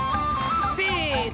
せの。